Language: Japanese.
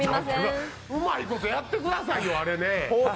うまいことやってくださいよ、あれね。